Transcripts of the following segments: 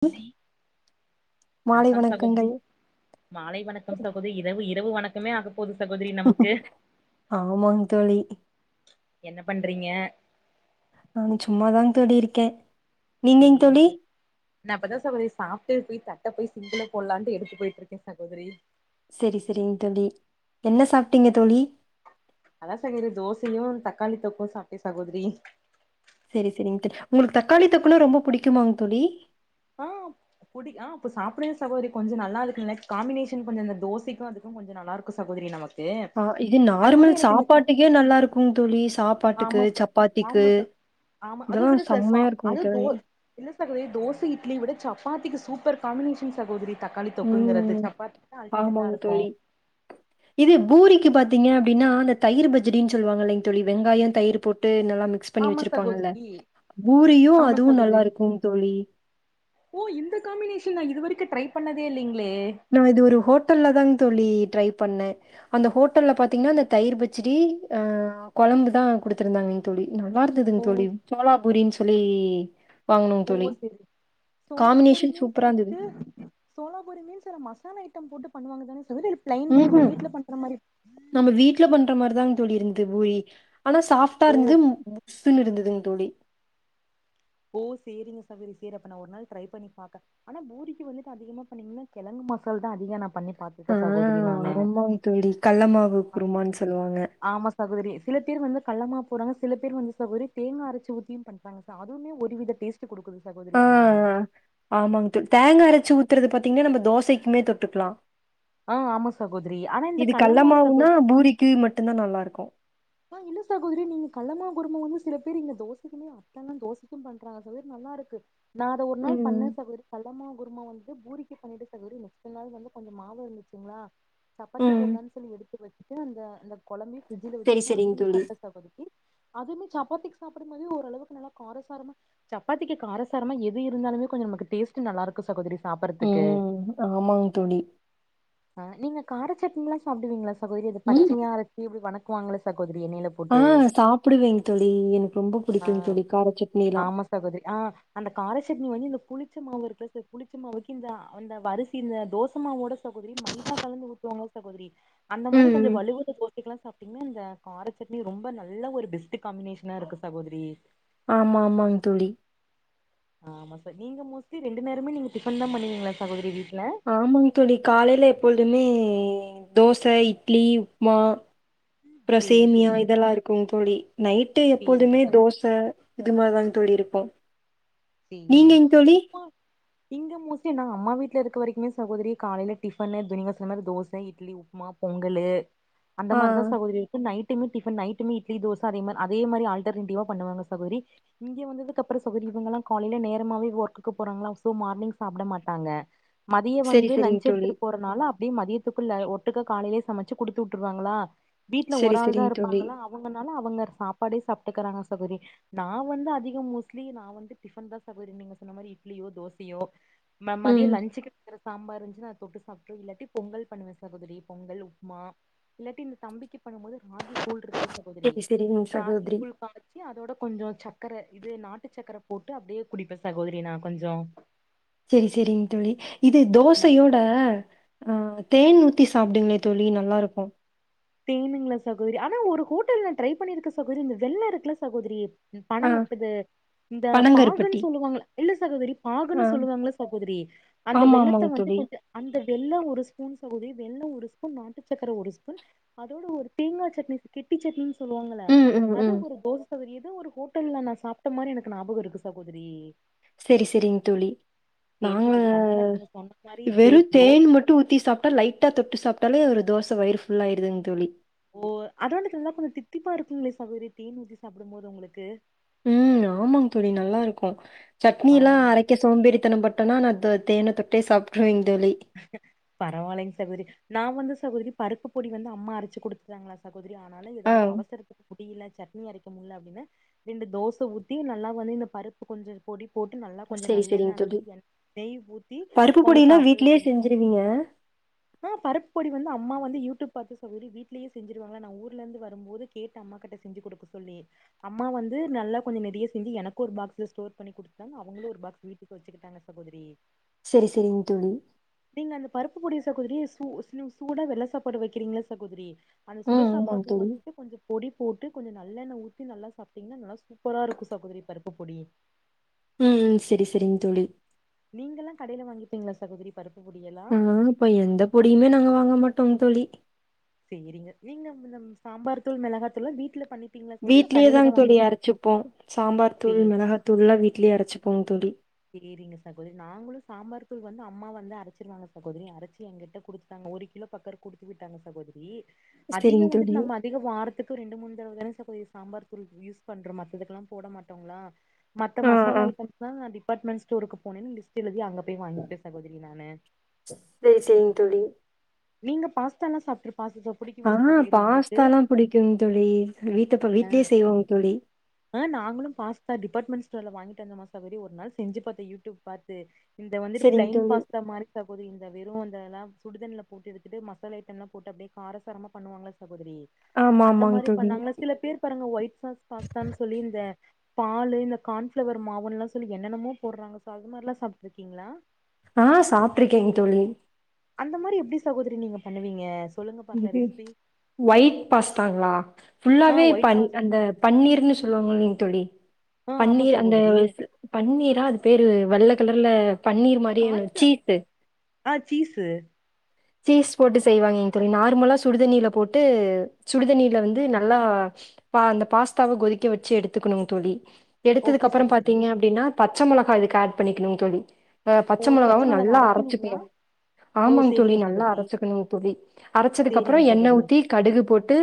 சகோதரி மாலை வணக்கம் சகோதரி வணக்கங்கள். மாலை வணக்கம் சகோதரி இரவு ஏ இரவு வணக்கமே ஆக போகுது சகோதரி நமக்கு ஆமாங் தோழி என்ன பண்றீங்க நானு சும்மாதான்ங் தோழி இருக்கேன் நீங்கங் தோழி நான் அப்பதான் சகோதரி சாப்பிட்டு போய் தட்ட போய் சிங்க்ல போடலான்னு எடுத்து போயிட்டு இருக்கேன் சகோதரி செரி செரிங்க தோழி என்ன சாப்பிட்டீங்க தோழி அதா சகோரி தோசையும் தக்காளி தொக்கும் சாப்ட்டே சகோதிரி செரி செரிங்க உங்களுக்கு தக்காளி தொக்குனா ரொம்ப புடிக்குமாங் தோழி ஆஹ் புடி ஆஹ அப்ப சாப்பிடவே சகோதரி கொஞ்சம் நல்லா இருக்குக் காம்பினேஷன் கொஞ்ச அந்த தோசைக்கும் அதுக்கும் கொஞ்சம் நல்லா இருக்கும் சகோதரி நமக்கு ஆஹ் இது அத விட நார்மல் எனக்கு இந்த சாப்பாட்டுக்கே நல்லா இருக்கும் தோழி சா சப்பாட்டுக்கு ஆமா ச சப்பாத்திக்கு ஆமா ச ஆமா அது விட இதெலாம் ச சா செம்மையா இருக்கும் அது தோ தோழி [unintelligible] தோசை இட்லிய விட சப்பாத்திக்கு சூப்பர் காம்பினேஷன் சகோதரி தக்காளி தொக்குங்கிறது ம் சப்பாத்தி தா அல்டிமேட்டா ஆமாங் இருக்கு தோழி இது பூரிக்கு பாத்தீங்க அப்டின்னா அந்த தயிர் பச்சடின்னு சொல்லுவாங்கல்லைங்க தோழி வெங்காய தயிர் போட்டு நல்லா மிக்ஸ் பண்ணி ஆமா வச்சிருப்பாங்கல்ல சகோதரி பூரியும் ஆமா அதுவும் நல்லா சகோதரி இருக்கும் தோழி ஓ இந்த காம்பினேஷன் நா இது வரைக்கு ட்ரை பண்ணதே இல்லிங்க நான் இது ஒரு ஹோட்டல்ல தான்ங்கு தோழி ட்ரை பண்ண அந்த ஹோட்டல்ல பாத்தீங்கனா அந்த தயிர் பச்சடி கொழம்பு தான் கொடுத்துருந்தாங்க தோழி நல்லா இருந்ததுங்க ஓ தோழி சோளா பூரினு சொல்லி வாங்குனோங்க ஓ தோழி. சரி சோலாபூரி காம்பினேஷன் மீன்ஸ் சூப்பரா இருந்தது. வந்துட்டு சோலாபூரி மீன்ஸ் ச மசாலா ஐட்டம் போட்டு பண்ணுவாங்க தானே சகோதரி இல்ல பிளைன் உம் போய் நம்ம ஹும் வீட்ல பண்ற மாரி நம்ம வீட்ல பண்ற மாரிதான் [unintelligible] ஆனா சாஃப்ட்டா ஓ இருந்தது புஸ்னுஇருந்ததுங்க துடி ஓ செரிங்க சவரி செரி அப்ப நான் ஒரு நாள் ட்ரை பண்ணி பான் ஆனா பூரிக்கு வந்துட்டு அதிகமா பண்ணீங்கன்னா கிழுங்குமசால் தான் அதிக நான் பண்ணே ஆஹ் ஆமா தோழி கள்ளமாவு குருமான்னு சொல்லுவாங்க கள்ளாம போறாங்க சில பேர் வந்து தோழி ஒரு தேங்க அரைச்சி ஊத்தியும் பண்றாங்க இதுவுமே ஒருவித டேஸ்ட் குடுக்குது சகோதரி ஆ ஆனா ஆமாங்க தோழி தேங்க அரைச்சு ஊத்துறது பாத்தீங்கன்னா நம்ம தோசைக்குமே தொட்டுக்கலா ஆ ஆமா சகோதரி ஆனா இந்த இது கள்ள கல்லமாவு சகோதரி மாவுன்னா பூரிக்கு மட்டுதா நல்லா இருக்கூ [inaudible] ஆ இல்ல சகோதரி நீங்க கள்ளமாவு குருமா வந்து சில பேர் இங்க தோசைக்குமே அத்தல்லாம் தோசைக்கும் பண்றாங்க சோதரி நல்லா இருக்கு நான் அத ஒரு நாள் பண்ணே ம் சகோ அமா குருமா வந்துட்டு பூரிக்க பண்ணிட்டு செல் நெக்ஸ்ட் நாள் வந்து கொஞ்சோ மாவு இருந்துச்சுங்களா சப்பாத்தி ம் போடலாம்னு சொல்லி எடுத்து வச்சு வந்த அந்த கொழம்பே ஃபிரிஜில வச்சு சரி சரிங்க தோழி குடுக்க [unintelligible] அதுவுமே சப்பாத்திக்கு சாப்பிடும் போததுேஓரளவுக்கு நல்லா காரசாரமா சப்பாத்திக்கு காரசாரமா எது இருந்தாலுமே கொஞ்சோ நமக்கு டேஸ்ட் நல்லா இருக்கு சகோதரி சாப்பறதுக்கு உம் ஆமாங் தோழி ஆ நீங்க கார சட்னிளா சாப்டுவீங்களா குதிது ம் பச்சையை அரைச்சி இப்படி வணக்க வாங்கங்கள குதிரி எண்ணைல ஆ போட்டு சாப்பிடுவேங்க தோழி எனக்கு ரொம்ப ஆ பிடிக்குங்க தோழி கார சட்னிலா ஆமா சகோதரி ஆ அந்த காரசட்னி வந்து இந்த புளிச்ச மாவு இருக்கு புளிச்ச மாவுக்கு இந்த அந்த வரிசி இந்த தோசைமாவோட சகோதரி மைதா கலந்து விட்டுவாங்க சகோதரி அந்த மாரி கொஞ்சோ ம் வளுவளு தோசைக்கலா சாப்பிடலா இந்த காரச்சட்னி ரொம்ப நல்ல ஒரு பெஸ்ட் காம்பினேஷனா இருக்கு சகோதரி ஆமா ஆமாங் தோழி ஆமா சார் நீங்க மோஸ்ட்லி ரெண்டு நேரமே நீங்க டிஃபன் தான் பண்ணுவீங்களா சகோதரி வீ ஆமாங்க தோழி காலைல எப்பொழுதுமே தோச இட்லி உப்மா அப்றோ சேரி சேமியா சேரிங்க இதெல்லாம் இருக்கூ தோழி நைட்டு சேரிங்க எப்போதுமே சகோ தோச இது மாரிதாங்க தோழி இருப்போ செரிங்க உப்ம இங்க மோஸ்ட்லீ அம்மா வீட்ல இருக்க வரைக்குமே சகோதரி காலைல டிஃபனு நீங்க சொன்னது மாரி தோச இட்லி உப்புமா பொங்களு அந்த ஆ மாதிரிதான் சகோதரி இருக்கு night tiffin night idli dosa அதே மார அதே மாரி ஆல்டர்னேட்டிவ்வ பண்ணுவாங்க சகோதரி இங்க வந்ததுக்கப்றோ காலைல நேரமாவே வொர்க்குக்கு போறாங்ளா சோ மார்னிங் சாப்ட மாட்டாங்க மதிய சரி வந்து சரிங்க லஞ்ச் தோழி எடுத்துட்டு போறனால ப்டி மதியத்துக்குல்ல ஒட்டுக்கா காலைலயே சமச்சு குடுத்து வுட்டுருவாங்களா வீட்ல சரி ஒரால் தா சரிங்க தோழி இருப்பாங்களா அவுங்க ஆனா அவுங்க சாப்பாடே சாப்ட்டுக்கறாங்க சகோரி நா வந்து அதிக மோஸ்ட்லி நா வந்து டிஃபன் தா சகோரி நீங்க சொன்ன மாரி இட்லியோ தோசையோ ம மதிய ம் லஞ்சுக்கு சாம்பார் இருந்துச்சுனா அத தொட்டு சாப்ட்டுருவ இல்லாட்டி பொங்கல் பண்ணுவ சகோதரி பொங்கல் உப்மா இல்லாட்டி இந்த தம்பிக்கு பண்ணும்போது ராகி கூழ்ருக்குல்ல சகோதரி சரி சரிங்க சகோதரி ராகிக்கூழ் காச்சி அதோட கொஞ்சோ சக்கர இது நாட்டு சக்கர போட்டு அப்டியே குடிப்ப சகோதரி நா கொஞ்சோ செரி செரிங் தோழி இது ந தோசையோட ஆ தேன் ஊத்தி சாப்டுங்க தோழி நல்லாருக்கு தேணுங்ளா சகோதரி ஆனா ஒரு ஹோட்டல்ல ட்ரை பண்ணிருக்க சகோரி இந்த வெள்ள இருக்கல்ல சகோதரி பண ஆ. ப்பது இந்த பாகுன் பனங்கருப்பட்டி. சொல்லுவாங்கள இல்ல சகோதரி ஆ. பாகுன்னு சொல்லுவாங்ள சகோதரி அந்த ஆமா, வெள்ளத்த ஆமாங்க வந்து தோழி. கொஞ்சோ அந்த வெள்ளோ ஒரு ஸ்பூன் சகோரி வெள்ளோ ஒரு ஸ்பூன் நாட்டு சக்கர ஒரு ஸ்பூன் அதோட ஒரு தேங்கா சட்னி கெட்டி சட்னி சொல்லுவாங்கள ம், ம், அது ம். ஒரு தோச வரிய உ ஒரு ஹோட்டல்ல நா சாப்ட்ட மாரி எனக்கு நாபகோ இருக்கு சகோதரி செரி செரிங் தோழி சேரி நாங்க சகோதரி கண்டிப்பா நீங்க சொன்ன மாரி தே வெறு தோச தேன் மட்டு ஊத்தி சாப்ட்டா லைட்டா தொட்டு சாப்ட்டாலே ஒரு தோச வயிரு ஃபுல்லாயிறுதுங் தோழி ஓ அது வந்து தந்தா கூட தித்திப்பா இருக்குங்ளே சகோரி தேன் ஊத்தி சாப்டும்போது உங்களுக்கு ம் ஆமாங் தோழி நல்லாருக்கு சட்னி எல்லா ஆ அரைக்க சோம்பேறித்தனம்ப்பட்டனா நா த தேன தொட்டே சாப்ட்ருவிங் பரவாலைங் சகோரி நா வந்து சகோதரி பருப்பு பொடி வந்து அம்மா அரச்சு குடுத்தாங்ளா சகோ தரி ஆனாலு ஆ. எதாவது அவசரத்து துல சட்னி அரைக்க முடியல அப்டின்னு ரெண்டு தோச ஊத்தி நல்லா வந்து இந்த பருப்பு கொஞ்சோ பொடி போட்டு நல்லா கொஞ்சோ சரி, நல்லெண்ண சரிங்க தோழி. அல்லது நெய் ஊத்தி பருப்பு கொஞ்சோ பொடிலாம் வீட்லயே சாப்டு செஞ்சுருவீங்க? ஆ பருப்பொடி வந்து அம்மா நா வந்து யூட்டூப் பாத்து சகோரி வீட்லயே செஞ்சிருவாங்க நா ஊர்லந்து வரும்போது கேட்டு அம்மா கிட்ட செஞ்சு குடுக்க சொல்லி அம்மா வந்து நல்லா கொஞ்சோ நெறயா செஞ்சு எனக்கொரு பாக்ஸுல ஸ்டோர் பண்ணி குடுத்தாங் அவங்களு ஒரு பாக்ஸ் வீட்டுக்கு வெச்சுக்கிட்டாங்க சகோதரி செரி செரிங் தோழி நீங்க அந்த பருப்பு பொடிய சகோதரி சூ சூ சூடா வெள்ள சாப்பாடு வெக்கிறீங்கள்ள சகோதரி அந்த ம். ஆமாங்க சுடசாப்பாட்ல தோழி. வந்துட்டு கொஞ்சோ பொடி போட்டு கொஞ்சோ ந ல்லெண்ண ஊத்தி நல்லா சாப்ட்டீங்னா நல்லா சூப்பராருக்கு சகோதரி பருப்பு பொடி ம் செரி செரிங் தோழி நீங்க எல்லா கடையில வாங்கிப்பீங்களா சகோதரி பருப்பு பொடி எல்லா ஆ அப்ப எந்த பொடியுமே நாங்க வாங்க மாட்டோம் தோழி சரிங்க நீங்க சாம்பார் தூள் மிளகா தூள் வீட்டுல பண்ணி வீட்லயேதான் தோழி அரைச்சிப்போம் சாம்பார் தூள் சேரி மிளகா தூள் எல்லாம் வீட்லயே அரைச்சுப்போ தோழி சரிங்க சகோதரி நாங்களும் சாம்பார் தூள் வந்து அம்மா வந்து அரைச்சிருவாங்க சகோதரி அரைச்சு என்கிட்ட குடுத்துட்டாங்க ஒரு கிலோ பக்க குடுத்து விட்டாங்க சகோதரி சரிங்க அதிகம் தோழி. வந்துட்டு நம்ம அதிக வாரத்துக்கு ரெண்டு மூணு தடவ தா [unintelligible] சாம்பார் தூள் யூஸ் பண்ற மத்ததுக்கெல்லாம் போட மாட்டோங்களா மத்த ஆ, ஆ. மசாலா ஐட்டம்ஸ் தான் தி [unintelligible] லி்ஸ்ட் எழுதி அங்க வாங்கிப்பே சகோதரி நானு ச செய்ின் டுடே நீங்க பாஸ்த எல்லாம் சாப்பிட்டுருப்ப ஆ பாஸ்தால்லாம் புடிக்கும் தோழி வீட்டப்ப அ வீட்லயே செய்வாங்க தோழி ஆ நாங்களு பாஸ்தா [unintelligible] வாங்கிட்டு வந்த மாசா ஒரு நாள் செஞ்சு பார்த்த யூடியூப் பாத்து இந்த வந்து சரிங்க பிளைன் தோழி. பாஸா மாரி சகோதரி இந்த வெறும் வந்து எல்லாம் சுடுதன்ல போ போட்டு எடுத்துட்டு மசாலா ஐட்டம்லாம் போட்டு அப்டியே காரசாரமா பண்ணுவாங்கள ஆமா, சகோதரிஅந்த ஆமாங்க மாதிரி தோழி. பண்ணாங்களா சில பேர் பாருங்க ஒயிட் சாஸ் பாஸ்தான்னு சொல்லி இந்த பால் இந்த கார்ன்பிளவர் மாவு எல்லாம் சொல்லி என்னென்னமோ போடுறாங்க சோ அது மாதிரிலாம் சாப்பிட்டு இருக்கீங்களா ஆ சாப்டிருக்கேன் தோழி அந்த மாதிரி எப்டி சகோதரி நீங்க பண்ணுவீங்க சொல்லுங்க பாக்கலா இது ரெசிபி ஒயிட் பாஸ தாங்களா ஆ புல்லாவே ஒயிட் பாஸ் அந்த பன்னீர்ன்னு சொல்லுவாங்கங்க தோழி ஆ ஆமா பன்னீர் அந்த சகோதரி பன்னீரா அது பேரு வர்ல கலர்ல பன்னீர் மாதிரியே இந்த கார்ன்ஃபிள சீஸ் ஆ சீஸு சீஸ் போட்டு செய்வாங்க அப்படி நார்மலா சுடு தண்ணீல போட்டு சுடு தண்ணில வந்து நல்லா ப அந்த பாஸ்தாவ கொதிக்க வச்சு எடுத்துக்கணோ தோழி எடுத்ததுக்கு ஓகே அப்புறம் சகோதரி பாத்தீங்க அப்டின்னா பச்சமொளகா அதுக்கு ஆட் பண்ணிக்கணும் தோழி ஆ பச்ச ஓ மொளகாவ மெளகா நல்லா அரைக்கணுங்களா அரைச்சுக்கணும் ஓ ஆமா தோழி சேரிங்க நல்லா சகோதரி அரைச்சுக்கணும் தோழி அரைச்சதுக்கு சேரிங்க அப்புறம் எண்ண சகோதரி ஊத்தி கடுகு போட்டு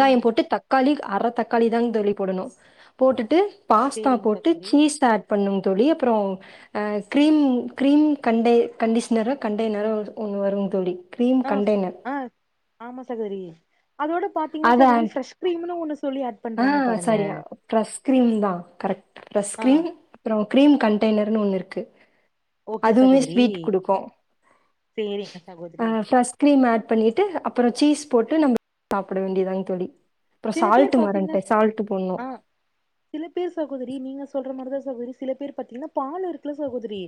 ஆ போட்டு தக்காளி அரை தக்காளி களிதாங்க தளி போடணும் போட்டுட்டு பாஸ்தா சேரிங்க போட்டு சகோதரி சீஸ் ஆட் பண்ணோ தோழி அப்புறம் கீரீம் கிரீம் க கண்டிஷனர கண்டெ்னரோ ஒன் வரும் தோழி கிரீம் ஆ கண்டெய்னர் ஆ ஆமா சகோதரி அதோட பாத்தீங்கனா சகோதரி ப்ரஷ் கிரீம்னு ஒன்னு ஆஹ் சரியா பிரஸ் கிரீம் தான் கரெக்ட் பிரஸ் ஆ கிரீம் அப்புறம் கிரீம் கன் டெலர்னு ஒன்னு இருக்கு ஓகே அதுவே சகோதரி ஸ்வீட் குடுக்கும் சேரிங்க சகோதரி ஃபிரஸ் கிரீம் ஆட் பண்ணிட்டு அப்புறம் சீஸ் போட்டு நம்ம சாப்பிட வேண்டியதாங் தோழி அப்புறம் சில பேர் சால்ட் பத் மறந்துட்டேன் சால்ட் போடணும் ஆஹ் சில பேர் சகோதிரி நீங்க சொல் இந்த மாதிரி தான் சகோதரி சில பேர் பாத்தீங்கன்னா பாலு இருக்குல சகோதிரி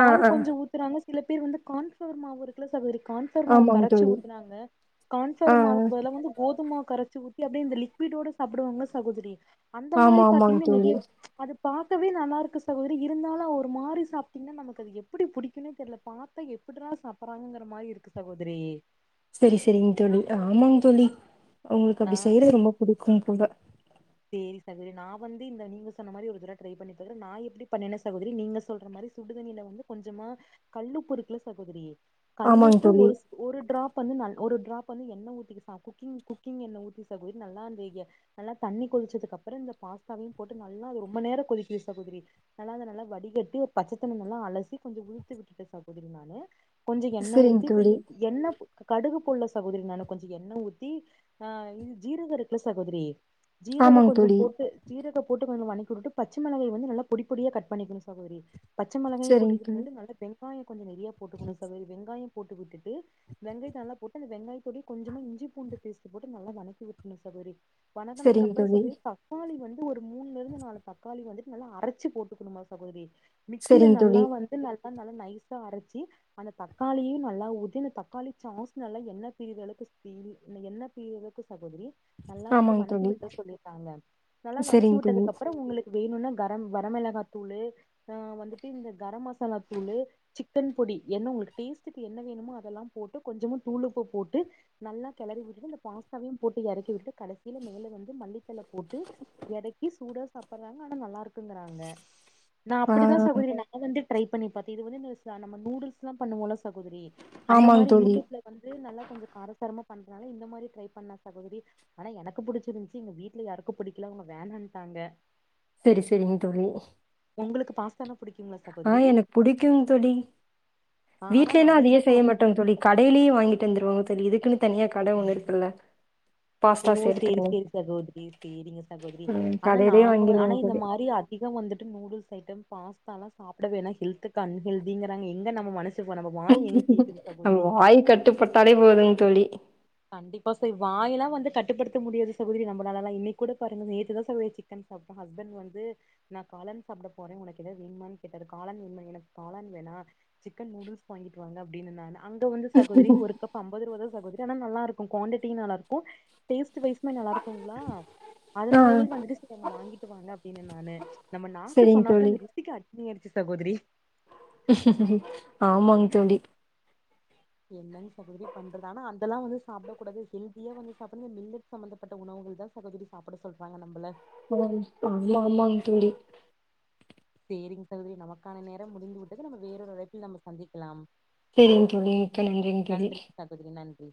ஆ ஆ கொஞ்சம் ஊத்துறாங்க சிலப் பேர் வந்து கான்பிளவர் மாவு இருக்குல்ல சகோதிரி கான்ஃபலர் மாவு ஆமாங்க கரச்சி தோழி ஊத்துனாங்க ஆ கான்பர்மாவுக்கு பதிலா வந்து கோதுமமாவு கரைச்சு ஊ அப்படியே இந்த லிக்விடோட சாப்படுவாங்கல்ல சகோதிரி அந்த ஆமா மாரி ஆமாங்க பாத்திங்கன்னா தோழி நெறைய அப்‌ பரக்கவே நல்லா இருக்கு சகோதரி இருந்தாலும் அவ ஒரு மாதிரி சாப்பிட்டீங்கன்னா நமக்கு அது எப்டி பிடிக்குணே தெரியல பார்த்தா எப்படிதான் சாப்புற்றாங்கங்கிற மாதிரி இருக்கு சகோதிரி செரி செரிங்க தோழி ஆமாங்க தோழி உங்களுக்கு ஆ அப்படி செய்றது ரொம்ப பிடிக்கும் போல [unintelligible] நான் வந்து இந்த நீங்க சொன்ன மாதிரி ஒரு தடவை ட்ரை பண்ணி பாருங் நான் எப்படி பண்ணனும் சகோதரி நீங்க சொல்ற மாதிரி சுடு தண்ணில வந்து கொஞ்சமா கல் உப்பு இருக்குல்ல சகோதரி ஆமாங்க கல்லுப்பு தோழி ஒரு ஸ் டிராப் வந்து நல் ஒரு டிராப் வந்து என்ன ஊத்தி குக்கிங் குக்கிங் எண்ண ஊத்தி நல்லா இருந்த நல்லா தண்ணி கொதிச்சதுக்கப்புறம் இந்த பாஸ்த்தாவையும் போட்டு நல்லா அது ரொம்ப நேரம் கொதிக்குனும் சகோதிரி நல்லா அத நல்லா வடிகட்டி ஒரு பச்ச தன்னில நல்லா அலசி கொஞ்சம் உளுத்து விட்டுட்டே சகோதிரி நானு கொஞ்ச எண்ணெ சரிங்க ஊத்தி கொஞ்ச தோழி எண்ண கடுகு போல்ல சகோதிரி மேல கொஞ்சம் எண்ணெ ஊத்தி அது ஜீரகம் இருக்குல்ல சகோதிரி ஜீரகம் ஆமாங் கொஞ்சம் தோழி போட்டு ஜீரகம் போட்டு வனக்கிவிட்டு பச்சைமிளகாய வந்து நல்ல பொடி பொடியா கட் பண்ணிக்கனும் சகோதிரி பச்சமெளகாய சரிங் போட்டுட்டு தோழி வந்து நல்லா ஃபிறை வெங்காயம் கொஞ்சம் நெறையா போட்டுக்கணும் சகோதிரி வெங்காயம் போட்டு விட்டுட்டு வெங்காயத்த நல்லா போட்டு அந்த வெங்காயத்தோட கொஞ்சமா இஞ்சி பூண்டு பேஸ்டு போட்டு நல்லா வதக்கி விடணும் சகோதிரி வணங்கனதுக் சரிங் தோழி [unintelligible] [unintelligible] ஒரு மூனிலிருந்து நாலு தக்காளி வந்து நல்லா அரைச்சு போட்டுக்கணுமா சகோதிரி மிக்சில சரிங் நல்லா தோழி வந்து க்காளி நல்லா நைஸா அரைச்சி அந்த தக்காளியு நல்லா ஊத்தி அந்த தக்காளி ச்சாஸ் நல்லா எண்ணெ பிரிற அளவுக்கு [unintelligible] இந்த எண்ணெ பிரிற அளவுக்கு சகோதரி நல்லா வந்து ஆமாங் வதக் தோழி [unintelligible] சொல்லிருக்காங்க நல்லா வதக்கி சரிங் தோழி வுட்டதுக்கு அப்ற உங்ளுக்கு வேணுனா கரம் வரமிளகா தூளு ஆ வந்துட்டு இந்த கரம் மசாலா தூளு சிக்கன் பொடி என்ன உங்ளுக்கு டேஸ்டுக்கு என்ன வேணுமோ அதெல்லா போட்டு கொஞ்சமா தூளுப்பு போட்டு நல்லா கெளறி விட்டுட்டு அந்த பாஸ்தாவிடயு போட்டு எறக்கி விட்டு கடைசில மே வந்து மல்லித் தள போட்டு எறக்கி சுட சுட சாப்புட்றாங்க ஆனா நல்லாருக்குங்றாங்க நா ஆ அப்டி தா சகோதரி நா வந்துட்டு ட்ரை பண்ணி பாத்தே இது வந்து [unintelligible] நம்ம நூடுல்ஸ்லா பண்ணுவோல சகோதரி அந்த ஆமாங் மாரி தோழி யூடியூப்ல வந்து நல்லா கொஞ்ச காரசாரமா பண்றனால இந்த மாரி ட்ரை பண்லா சகோதரி ஆனா எனக்கு புடிச் ச்சு எங்க வீட்ல யாருக்கு புடிக்கல அவங்க வேணான்ட்டாங்க சரி சரிங்க தோழி உங்ளுக்கு பாஸ்தானா புடிக்குங்களா ஆ சகோதரி எனக்கு புடிக்குங் தோழி ஆ ஆனா அது வீட்லனா அதயே அதிகமா செய்ய சாப் மாட்டோங் தோழி கடைலே வாங்கிட்டு வந்துருவாங்க [unintelligible] இதுக்குன்னு தனியா கட ஒண்ணு இருக்குல்ல ஓ பாஸ்தா சேரி செய்றதுக்குனு சேரி சகோதரி சேரிங்க சகோதரி ம் ஆனா கடையிலயே நாங்க வ ஆனா வாங்கிருவோங் இந்த தோழி மாரி அதிக வந்துட்டு நூடுல்ஸ் ஐட்டம் பாஸ்தாலா சாப்டவேணா ஹெல்துக்கு அன்ஹெல்திங்றாங்க எங்க நம்ம மனசு நம்ம வாய் எங்க கேக்குது நம்ம சகோதரி வாய் கட்டுப்பட்டாலே போதுங் தோழி கண்டிப்பா சரி வாய தா வந்து கட்டுப்படுத்த முடியாது சகோதரி நம்ளாலலா இன்னை கூட பாருங்க நேத்து தா சகோதரி சிக்கன் சாப்டோ ஹஸ்பண்ட் வந்து நா காளான் சாப்ட போறே உனக்கு எதாது வேணுமான் கேட்டாரு காளான் எனக்கு காளான் வேணா சிக்கன் நூடுல்ஸ் வாங்கிட்டு வாங்க அப்டினன் நானு அந்து வந்து சகோதரி ஒரு கப் அம்பது ரூபா [inaudible] லா நல்லாருக்கு குவான்ட்டிட்டியு நல்லாருக்கு டேஸ்ட் வைஸ் மே நல்லாருக்குங்ளா ஆ அதனாலயே வந்துட்டு செரி வாங்கிட்டு வாங்க அப்டின்னே நானு நம்ம நாக்கு சரிங் சொன்னப்ல தோழி ருசிக்கு அடி நீங்க எப்டி சகோதரி ஆமாங் தோழி என்னங் சகோதரி பண்றது அதெல்லா வந்து சாப்ட கூடாது ஹெல்தியா வந்து சாப்டுங்க மில்லட் சம்பந்தப்பட்ட உணவுகள் தா சகோதரி சாப்ட சொல்றாங்க நம்மள அத ஆமாங் ஆமாங் தோழி சேரிங் சகோதரி நமக்கான நேரம் முடிந்து விட்டது நம்ம வேறொரு அழைப்பில் நம்ம சந்திக்கலாம் சேரிங் தோழி மிக்க நன்றிங் தோழி நன்றி சகோதரி நன்றி